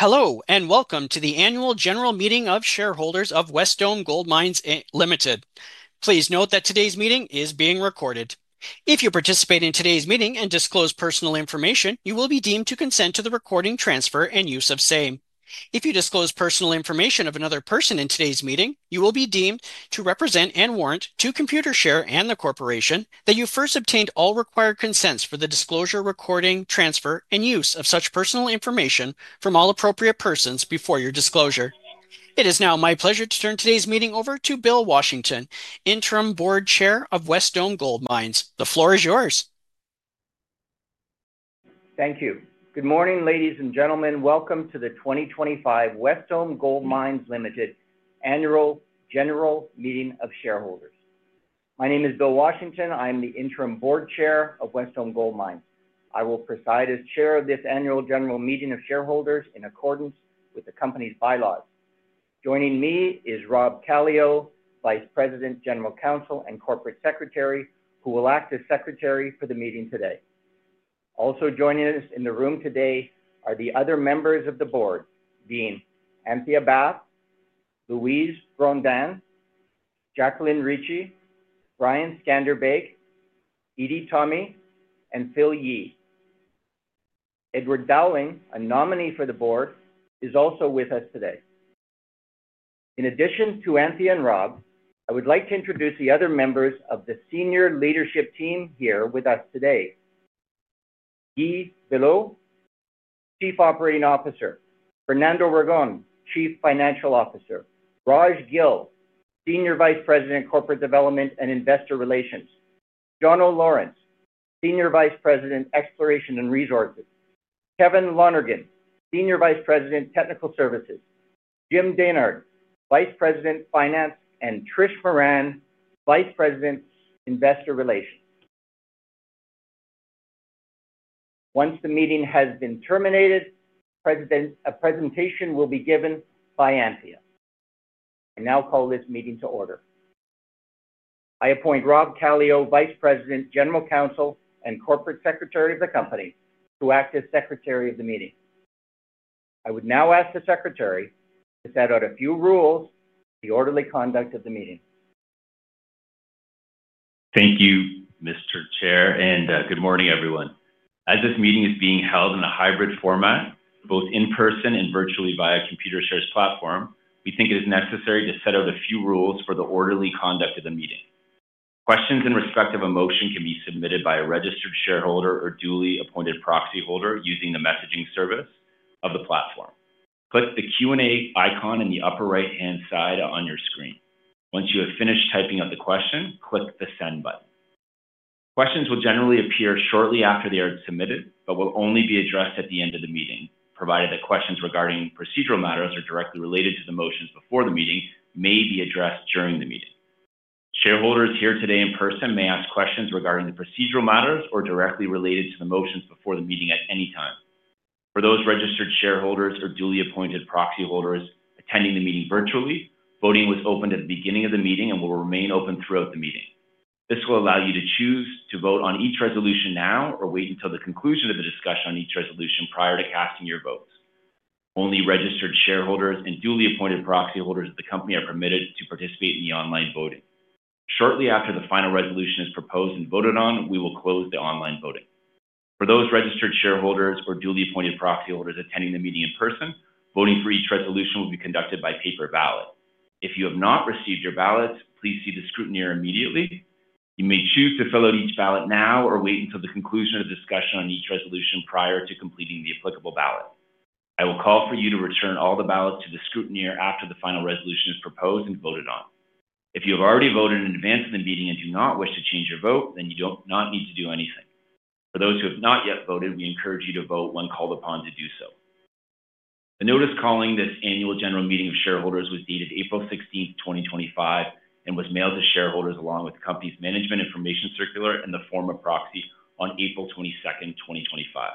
Hello, and welcome to the Annual General Meeting of Shareholders of Wesdome Gold Mines Ltd. Please note that today's meeting is being recorded. If you participate in today's meeting and disclose personal information, you will be deemed to consent to the recording, transfer, and use of same. If you disclose personal information of another person in today's meeting, you will be deemed to represent and warrant to Computershare and the Corporation that you first obtained all required consents for the disclosure, recording, transfer, and use of such personal information from all appropriate persons before your disclosure. It is now my pleasure to turn today's meeting over to Bill Washington, Interim Board Chair of Wesdome Gold Mines. The floor is yours. Thank you. Good morning, ladies and gentlemen. Welcome to the 2025 Wesdome Gold Mines Ltd. Annual General Meeting of Shareholders. My name is Bill Washington. I am the Interim Board Chair of Wesdome Gold Mines. I will preside as Chair of this Annual General Meeting of Shareholders in accordance with the company's Bylaws. Joining me is Rob Kallio, Vice President, General Counsel, and Corporate Secretary, who will act as Secretary for the meeting today. Also joining us in the room today are the other members of the board: Anthea Bath, Louise Rondeau, Jacqueline Ricci, Brian Skanderbeg, Edie Thome, and Phillip Yee. Edward Dowling, a nominee for the board, is also with us today. In addition to Anthea and Rob, I would like to introduce the other members of the senior leadership team here with us today: Guy Belleau, Chief Operating Officer; Fernando Ragone, Chief Financial Officer; Raj Gill, Senior Vice President, Corporate Development and Investor Relations; Jono Lawrence, Senior Vice President, Exploration and Resources; Kevin Lonergan, Senior Vice President, Technical Services; Jim Denhard, Vice President, Finance; and Trish Moran, Vice President, Investor Relations. Once the meeting has been terminated, a presentation will be given by Anthea. I now call this meeting to order. I appoint Rob Kallio, Vice President, General Counsel, and Corporate Secretary of the company, to act as Secretary of the meeting. I would now ask the Secretary to set out a few rules for the orderly conduct of the meeting. Thank you, Mr. Chair, and good morning, everyone. As this meeting is being held in a hybrid format, both in person and virtually via Computershare's platform, we think it is necessary to set out a few rules for the orderly conduct of the meeting. Questions in respect of a motion can be submitted by a registered shareholder or duly appointed proxy holder using the messaging service of the platform. Click the Q&A icon in the upper right-hand side on your screen. Once you have finished typing out the question, click the Send button. Questions will generally appear shortly after they are submitted but will only be addressed at the end of the meeting, provided that questions regarding procedural matters or directly related to the motions before the meeting may be addressed during the meeting. Shareholders here today in person may ask questions regarding the procedural matters or directly related to the motions before the meeting at any time. For those registered shareholders or duly appointed proxy holders attending the meeting virtually, voting was opened at the beginning of the meeting and will remain open throughout the meeting. This will allow you to choose to vote on each resolution now or wait until the conclusion of the discussion on each resolution prior to casting your votes. Only registered shareholders and duly appointed proxy holders of the company are permitted to participate in the online voting. Shortly after the final resolution is proposed and voted on, we will close the online voting. For those registered shareholders or duly appointed proxy holders attending the meeting in person, voting for each resolution will be conducted by paper ballot. If you have not received your ballots, please see the scrutineer immediately. You may choose to fill out each ballot now or wait until the conclusion of the discussion on each resolution prior to completing the applicable ballot. I will call for you to return all the ballots to the scrutineer after the final resolution is proposed and voted on. If you have already voted in advance of the meeting and do not wish to change your vote, then you do not need to do anything. For those who have not yet voted, we encourage you to vote when called upon to do so. The notice calling this Annual General Meeting of Shareholders was dated April 16, 2025, and was mailed to shareholders along with the company's Management Information Circular in the form of proxy on April 22, 2025.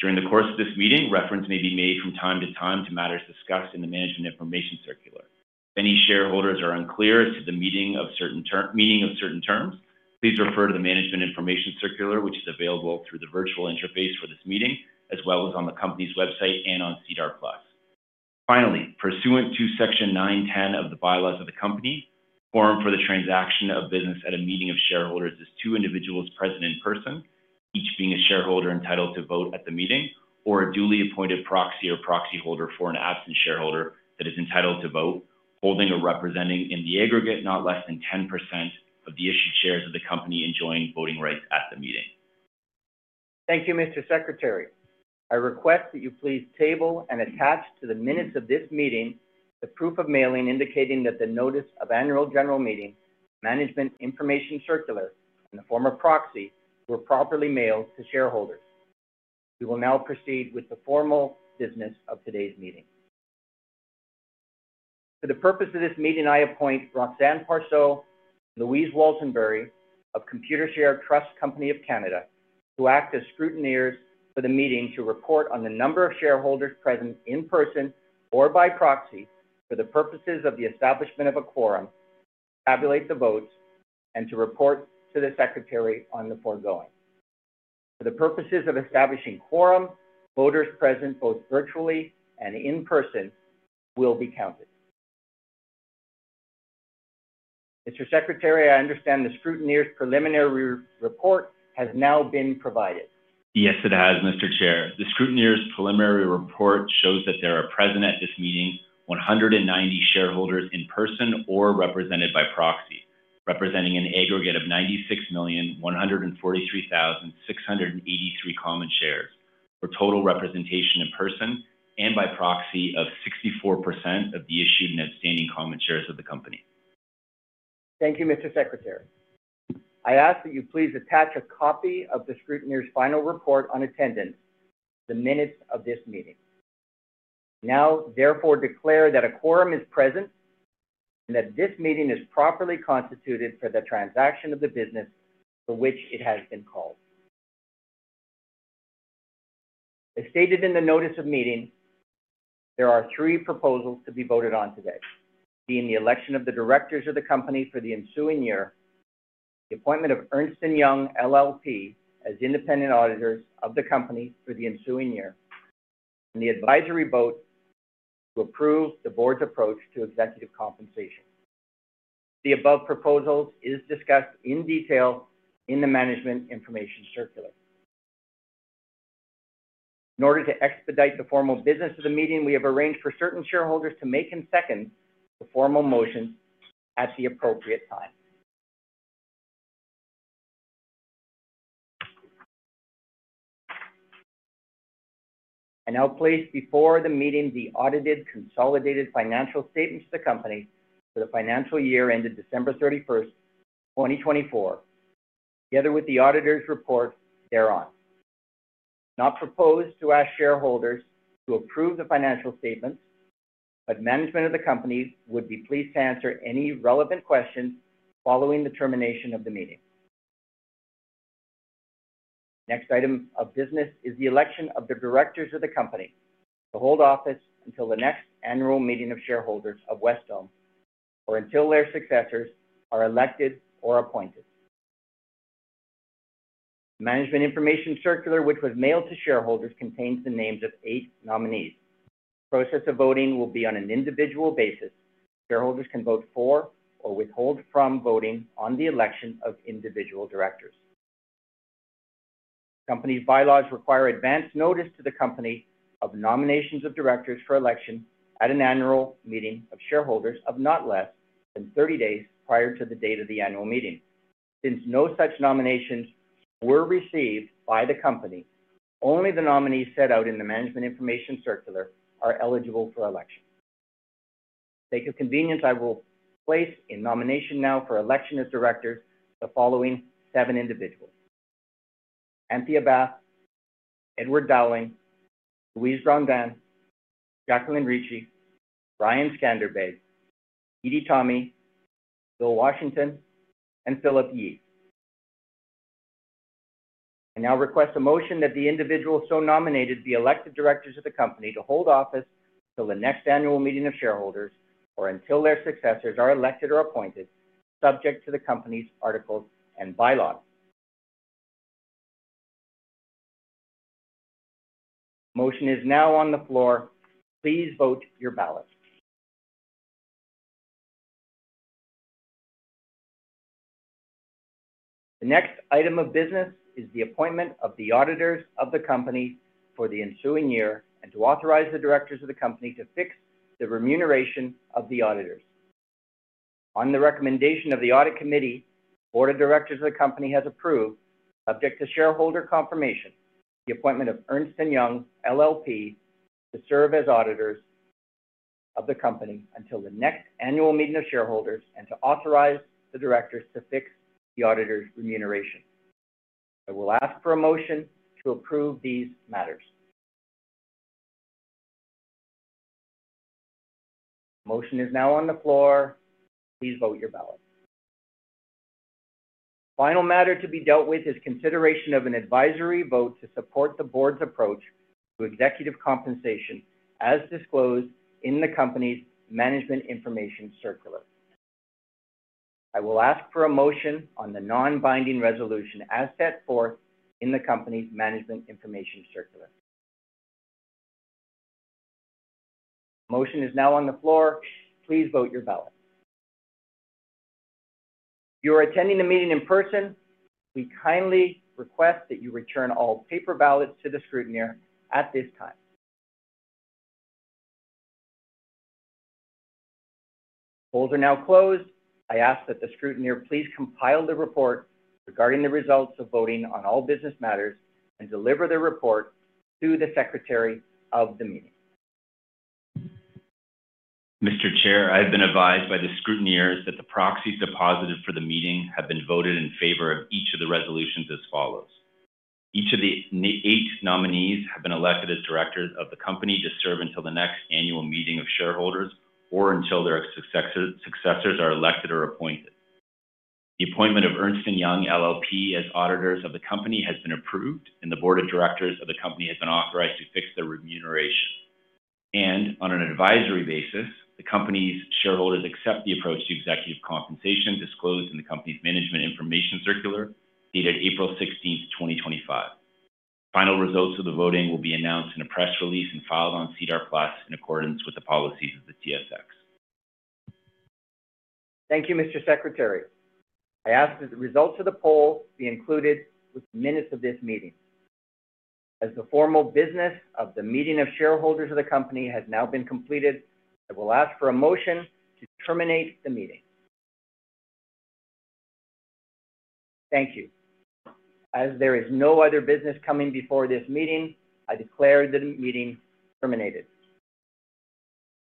During the course of this meeting, reference may be made from time to time to matters discussed in the Management Information Circular. If any shareholders are unclear as to the meaning of certain terms, please refer to the Management Information Circular, which is available through the virtual interface for this meeting, as well as on the company's website and on SEDAR+. Finally, pursuant to Section 910 of the Bylaws of the company, the form for the transaction of business at a meeting of shareholders is two individuals present in person, each being a shareholder entitled to vote at the meeting, or a duly appointed proxy or proxy holder for an absent shareholder that is entitled to vote, holding or representing in the aggregate not less than 10% of the issued shares of the company enjoying voting rights at the meeting. Thank you, Mr. Secretary. I request that you please table and attach to the minutes of this meeting the proof of mailing indicating that the notice of Annual General Meeting Management Information Circular in the form of proxy were properly mailed to shareholders. We will now proceed with the formal business of today's meeting. For the purpose of this meeting, I appoint Roxanne Perreault and Louise Waltenberry of Computershare Trust Company of Canada to act as Scrutineers for the meeting to report on the number of shareholders present in person or by proxy for the purposes of the establishment of a quorum, to tabulate the votes, and to report to the Secretary on the foregoing. For the purposes of establishing quorum, voters present both virtually and in person will be counted. Mr. Secretary, I understand the scrutineer's preliminary report has now been provided. Yes, it has, Mr. Chair. The scrutineer's preliminary report shows that there are present at this meeting 190 shareholders in person or represented by proxy, representing an aggregate of 96,143,683 common shares for total representation in person and by proxy of 64% of the issued and outstanding common shares of the company. Thank you, Mr. Secretary. I ask that you please attach a copy of the scrutineer's final report on attendance to the minutes of this meeting. I now therefore declare that a quorum is present and that this meeting is properly constituted for the transaction of the business for which it has been called. As stated in the Notice of Meeting, there are three proposals to be voted on today, being the election of the directors of the company for the ensuing year, the appointment of Ernst & Young LLP as independent auditors of the company for the ensuing year, and the advisory vote to approve the board's approach to executive compensation. The above proposals are discussed in detail in the Management Information Circular. In order to expedite the formal business of the meeting, we have arranged for certain shareholders to make and second the formal motions at the appropriate time. I now place before the meeting the audited consolidated financial statements of the company for the financial year ended December 31, 2024, together with the auditor's report thereon. It is not proposed to ask shareholders to approve the financial statements, but management of the company would be pleased to answer any relevant questions following the termination of the meeting. The next item of business is the election of the directors of the company to hold office until the next Annual Meeting of Shareholders of Wesdome or until their successors are elected or appointed. The Management Information Circular, which was mailed to shareholders, contains the names of eight nominees. The process of voting will be on an individual basis. Shareholders can vote for or withhold from voting on the election of individual directors. The company's Bylaws require advance notice to the company of nominations of directors for election at an Annual Meeting of Shareholders of not less than 30 days prior to the date of the Annual Meeting. Since no such nominations were received by the company, only the nominees set out in the Management Information Circular are eligible for election. For the sake of convenience, I will place in nomination now for election as directors the following seven individuals: Anthea Bath, Edward Dowling, Louise Rondeau, Jacqueline Ricci, Brian Skanderbeg, Edie Thome, Bill Washington, and Phillip Yee. I now request a motion that the individuals so nominated be elected directors of the company to hold office until the next Annual Meeting of Shareholders or until their successors are elected or appointed, subject to the company's articles and Bylaws. The motion is now on the floor. Please vote your ballot. The next item of business is the appointment of the auditors of the company for the ensuing year and to authorize the directors of the company to fix the remuneration of the auditors. On the recommendation of the audit committee, the board of directors of the company has approved, subject to shareholder confirmation, the appointment of Ernst & Young LLP to serve as auditors of the company until the next Annual Meeting of Shareholders and to authorize the directors to fix the auditors' remuneration. I will ask for a motion to approve these matters. The motion is now on the floor. Please vote your ballot. The final matter to be dealt with is consideration of an advisory vote to support the board's approach to executive compensation as disclosed in the company's Management Information Circular. I will ask for a motion on the non-binding resolution as set forth in the company's Management Information Circular. The motion is now on the floor. Please vote your ballot. If you are attending the meeting in person, we kindly request that you return all paper ballots to the scrutineer at this time. The polls are now closed. I ask that the scrutineer please compile the report regarding the results of voting on all business matters and deliver the report to the Secretary of the meeting. Mr. Chair, I have been advised by the Scrutineers that the proxies deposited for the meeting have been voted in favor of each of the resolutions as follows. Each of the eight nominees have been elected as directors of the company to serve until the next Annual Meeting of Shareholders or until their successors are elected or appointed. The appointment of Ernst & Young LLP as auditors of the company has been approved, and the board of directors of the company has been authorized to fix their remuneration. On an advisory basis, the company's shareholders accept the approach to executive compensation disclosed in the company's Management Information Circular dated April 16, 2025. Final results of the voting will be announced in a press release and filed on SEDAR+ in accordance with the policies of the TSX. Thank you, Mr. Secretary. I ask that the results of the poll be included with the minutes of this meeting. As the formal business of the meeting of shareholders of the company has now been completed, I will ask for a motion to terminate the meeting. Thank you. As there is no other business coming before this meeting, I declare the meeting terminated.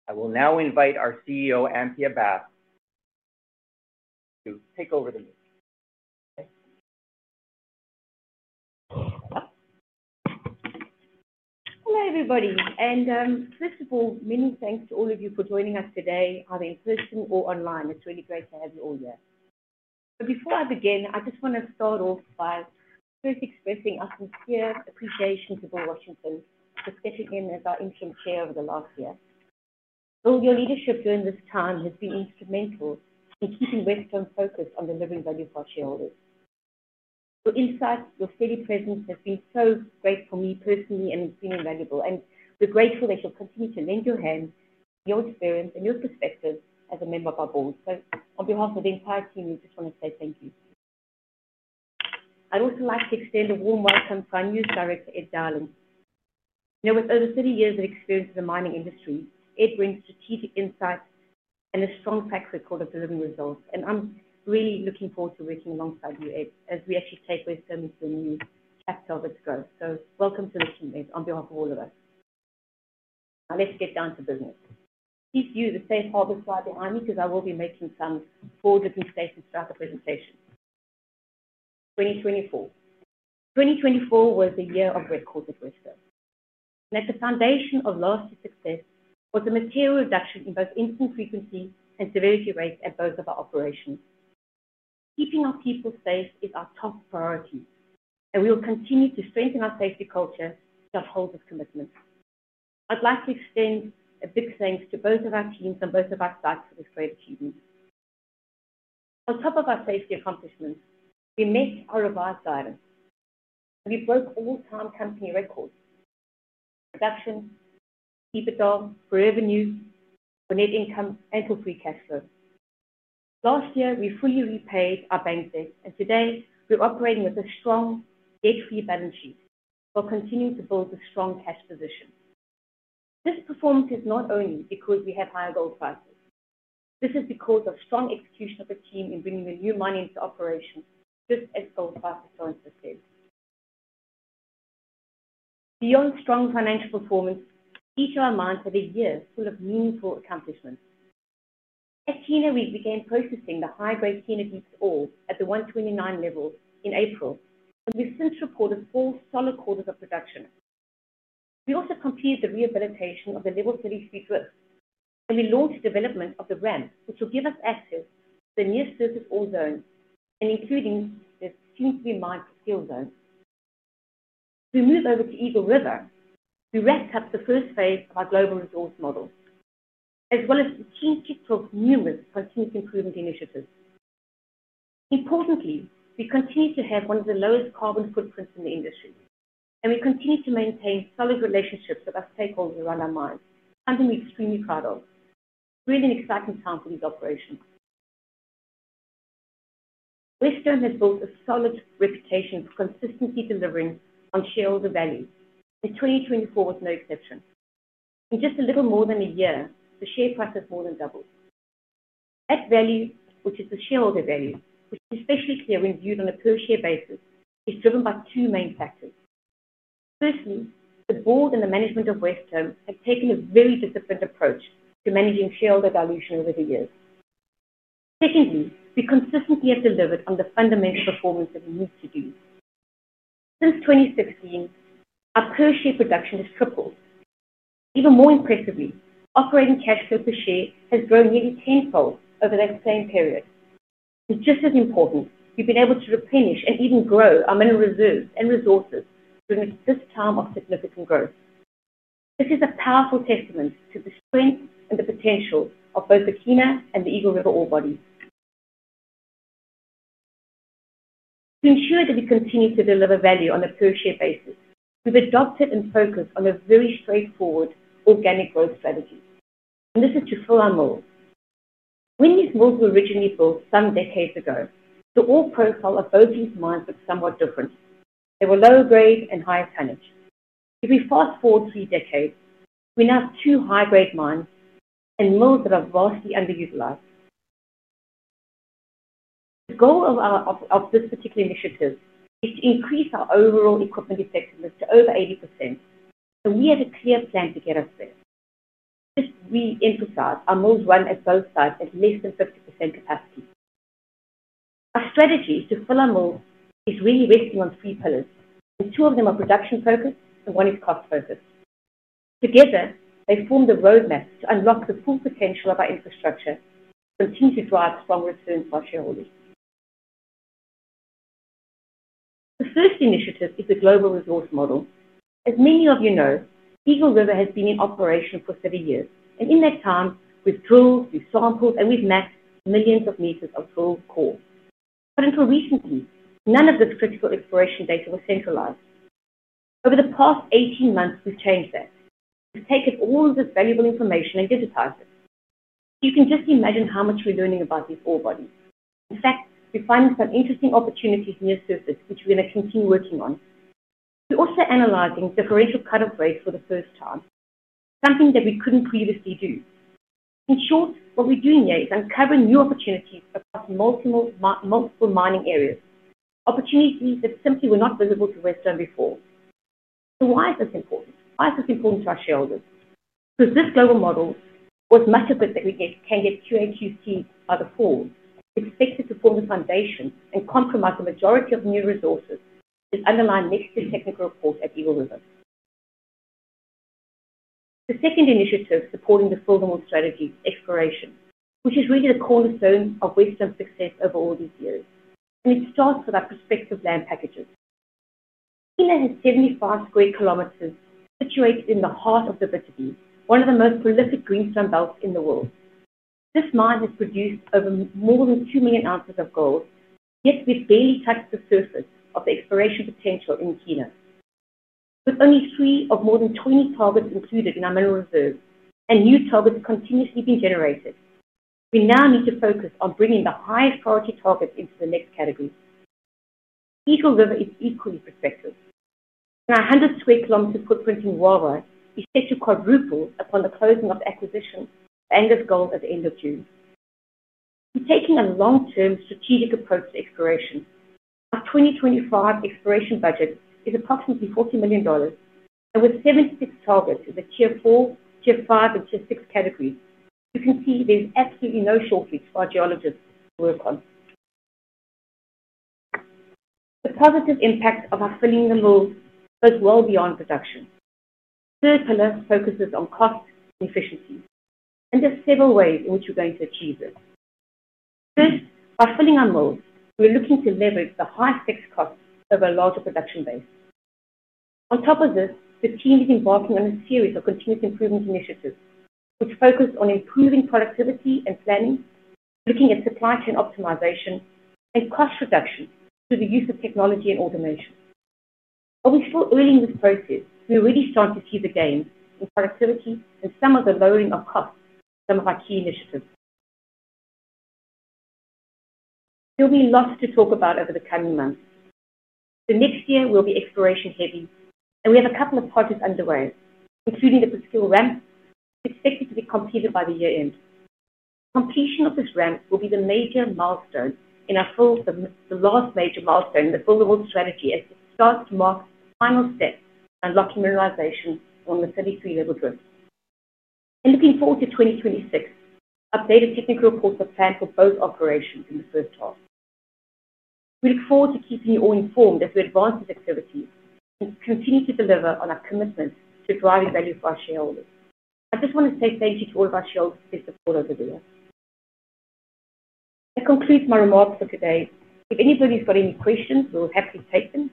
I will now invite our CEO, Anthea Bath, to take over the meeting. Hello, everybody. First of all, many thanks to all of you for joining us today, either in person or online. It is really great to have you all here. Before I begin, I just want to start off by first expressing utmost appreciation to Bill Washington for stepping in as our Interim Chair over the last year. All your leadership during this time has been instrumental in keeping Wesdome focused on delivering value for our shareholders. Your insights, your steady presence have been so great for me personally and it has been invaluable. We are grateful that you will continue to lend your hand, your experience, and your perspective as a member of our board. On behalf of the entire team, we just want to say thank you. I would also like to extend a warm welcome to our new director, Edward Dowling. With over 30 years of experience in the mining industry, Ed brings strategic insights and a strong track record of delivering results. I am really looking forward to working alongside you, Ed, as we actually take Wesdome into a new chapter of its growth. Welcome to the team, Ed, on behalf of all of us. Now let's get down to business. Please use the safe harbor slide behind me because I will be making some forward-looking statements throughout the presentation. 2024. 2024 was a year of records at Wesdome. At the foundation of last year's success was a material reduction in both incident frequency and severity rates at both of our operations. Keeping our people safe is our top priority, and we will continue to strengthen our safety culture to uphold this commitment. I'd like to extend a big thanks to both of our teams and both of our staff for this great achievement. On top of our safety accomplishments, we met our revised items. We broke all-time company records: production, EBITDA, revenue, net income, and for free cash flow. Last year, we fully repaid our bank debt, and today we're operating with a strong debt-free balance sheet while continuing to build a strong cash position. This performance is not only because we have higher gold prices. This is because of strong execution of the team in bringing the new mine into operation, just as Anthea Bath has joined us said. Beyond strong financial performance, each of our mines had a year full of meaningful accomplishments. At Kiena, we began processing the high-grade Kiena Deep ore at the 129 level in April, and we've since reported four solid quarters of production. We also completed the rehabilitation of the level 33 drift, and we launched development of the ramp, which will give us access to the near-surface ore zone and including the soon-to-be-mined skill zone. We move over to Eagle River. We wrapped up the first phase of our Global Resource Model, as well as continued to take numerous continuous improvement initiatives. Importantly, we continue to have one of the lowest carbon footprints in the industry, and we continue to maintain solid relationships with our stakeholders around our mines, something we're extremely proud of. Really an exciting time for these operations. Wesdome has built a solid reputation for consistently delivering on shareholder value, and 2024 was no exception. In just a little more than a year, the share price has more than doubled. That value, which is the shareholder value, which is especially clear when viewed on a per-share basis, is driven by two main factors. Firstly, the Board and the management of Wesdome have taken a very disciplined approach to managing shareholder valuation over the years. Secondly, we consistently have delivered on the fundamental performance that we need to do. Since 2016, our per-share production has tripled. Even more impressively, operating cash flow per share has grown nearly tenfold over that same period. It's just as important we've been able to replenish and even grow our mineral reserves and resources during this time of significant growth. This is a powerful testament to the strength and the potential of both the Kiena and the Eagle River ore bodies. To ensure that we continue to deliver value on a per-share basis, we've adopted and focused on a very straightforward organic growth strategy, and this is to fill our mill. When these mills were originally built some decades ago, the ore profile of both these mines looked somewhat different. They were lower grade and higher tonnage. If we fast forward three decades, we now have two high-grade mines and mills that are vastly underutilized. The goal of this particular initiative is to increase our overall equipment effectiveness to over 80%, and we have a clear plan to get us there. Just to re-emphasize, our mills run at both sites at less than 50% capacity. Our strategy to fill our mills is really resting on three pillars, and two of them are production-focused and one is cost-focused. Together, they form the roadmap to unlock the full potential of our infrastructure to continue to drive strong returns for our shareholders. The first initiative is the Global Resource Model. As many of you know, Eagle River has been in operation for three years, and in that time, we've drilled, we've sampled, and we've mapped millions of meters of drilled core. Until recently, none of this critical exploration data was centralized. Over the past 18 months, we've changed that. We've taken all of this valuable information and digitized it. You can just imagine how much we're learning about these ore bodies. In fact, we're finding some interesting opportunities near surface, which we're going to continue working on. We're also analyzing differential cut-off rates for the first time, something that we couldn't previously do. In short, what we're doing here is uncovering new opportunities across multiple mining areas, opportunities that simply were not visible to Wesdome before. Why is this important? Why is this important to our shareholders? Because this global model, as much of it that we can get QA/QC by the fall, is expected to form the foundation and comprise the majority of new resources, as underlined next to the technical report at Eagle River. The second initiative supporting the fill-the-mill strategy is exploration, which is really the cornerstone of Wesdome's success over all these years. It starts with our prospective land packages. Kiena has 75 sq km situated in the heart of the Abitibi, one of the most prolific greenstone belts in the world. This mine has produced more than 2 million ounces of gold, yet we've barely touched the surface of the exploration potential in Kiena. With only three of more than 20 targets included in our mineral reserves and new targets continuously being generated, we now need to focus on bringing the highest priority targets into the next category. Eagle River is equally prospective. Our 100 sq km footprint in Wawa is set to quadruple upon the closing of acquisition for Angus Gold at the end of June. We're taking a long-term strategic approach to exploration. Our 2025 exploration budget is approximately $40 million, and with 76 targets in the Tier 4, Tier 5, and Tier 6 categories, you can see there's absolutely no shortage reach for our geologists to work on. The positive impact of our fill-the-mill strategy goes well beyond production. The third pillar focuses on cost and efficiency, and there are several ways in which we're going to achieve this. First, by filling our moulds, we're looking to leverage the high fixed costs of a larger production base. On top of this, the team is embarking on a series of continuous improvement initiatives, which focus on improving productivity and planning, looking at supply chain optimization and cost reduction through the use of technology and automation. While we're still early in this process, we're really starting to see the gains in productivity and some of the lowering of costs from our key initiatives. There'll be lots to talk about over the coming months. The next year will be exploration-heavy, and we have a couple of projects underway, including the Presqu'île ramp, expected to be completed by the year-end. Completion of this ramp will be the major milestone in our full, the last major milestone in the fill-the-mill strategy as it starts to mark final steps to unlocking mineralization along the 33-level drift. Looking forward to 2026, updated technical reports are planned for both operations in the first half. We look forward to keeping you all informed as we advance these activities and continue to deliver on our commitment to driving value for our shareholders. I just want to say thank you to all of our shareholders for their support over there. That concludes my remarks for today. If anybody's got any questions, we'll happily take them.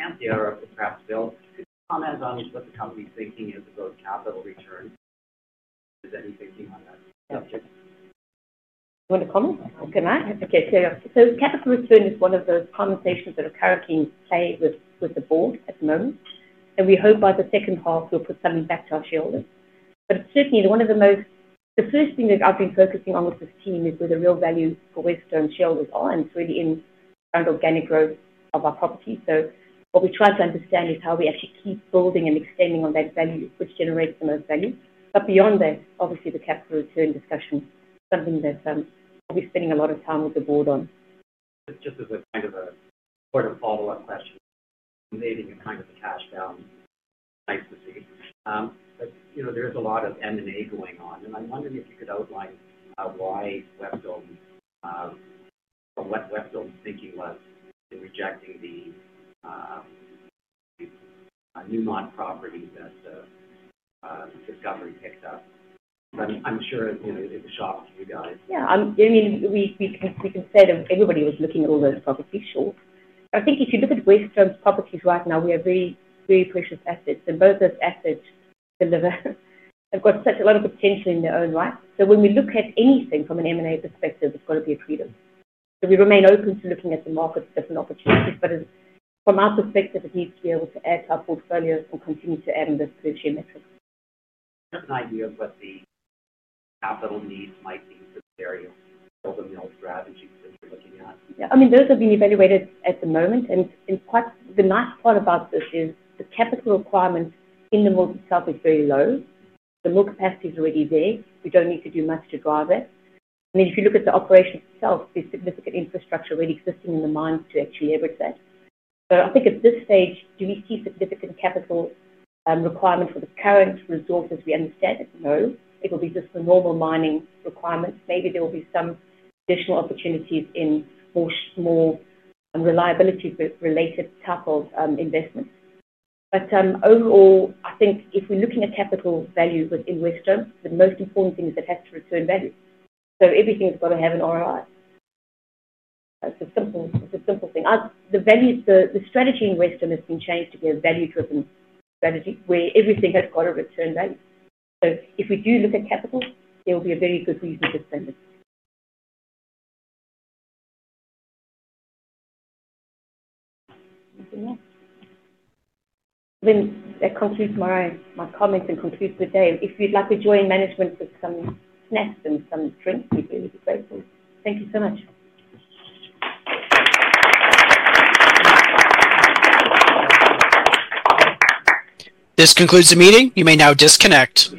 Anthony Harrow from Kraftwell. Comment on what the company's thinking is about capital return. Is there any thinking on that subject? Do you want to comment? Can I? Okay. Capital return is one of those conversations that are currently in play with the board at the moment, and we hope by the second half we'll put something back to our shareholders. Certainly, one of the most, the first thing that I've been focusing on with this team is where the real value for Wesdome shareholders are, and it's really in around organic growth of our property. What we try to understand is how we actually keep building and extending on that value, which generates the most value. Beyond that, obviously, the capital return discussion is something that we're spending a lot of time with the board on. Just as a kind of a sort of follow-up question. Creating a kind of a cash down, nice to see. There is a lot of M&A going on, and I'm wondering if you could outline why Wesdome, what Wesdome's thinking was in rejecting the Newmont property that Discovery picked up. I'm sure it shocks you guys. Yeah. I mean, we can say that everybody was looking at all those properties short. I think if you look at Wesdome's properties right now, we have very, very precious assets, and both those assets deliver. They've got such a lot of potential in their own right. When we look at anything from an M&A perspective, it's got to be a freedom. We remain open to looking at the market for different opportunities, but from our perspective, it needs to be able to add to our portfolio and continue to add on this potential metric. Do you have an idea of what the capital needs might be for the area? Build a mill strategy that you're looking at? Yeah. I mean, those have been evaluated at the moment, and the nice part about this is the capital requirement in the mill itself is very low. The mill capacity is already there. We do not need to do much to drive it. If you look at the operation itself, there is significant infrastructure already existing in the mines to actually leverage that. I think at this stage, do we see significant capital requirement for the current resources we understand? No. It will be just the normal mining requirements. Maybe there will be some additional opportunities in more reliability-related type of investments. Overall, I think if we are looking at capital value within Wesdome, the most important thing is it has to return value. Everything has got to have an ROI. It is a simple thing. The strategy in Wesdome has been changed to be a value-driven strategy where everything has got a return value. So if we do look at capital, there will be a very good reason to spend it. I mean, that concludes my comments and concludes the day. If you'd like to join management with some snacks and some drinks, we'd be really grateful. Thank you so much. This concludes the meeting. You may now disconnect.